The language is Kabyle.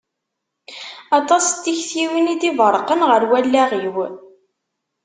Aṭas n tiktiwin i d-iberrqen ɣer wallaɣ-iw.